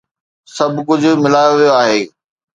سڀ ڪجهه ملايو ويو آهي.